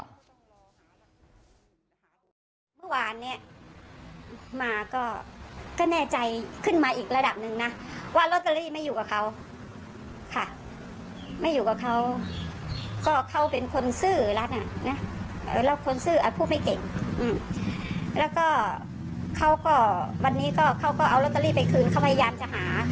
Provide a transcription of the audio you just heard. ใบกรุงนั้นคืนที่ไปคืนเค้าพยายามจะหา